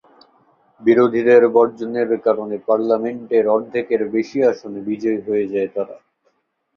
বিরোধীদের বর্জনের কারণে পার্লামেন্টের অর্ধেকের বেশি আসনে বিজয়ী হয়ে যায় তারা।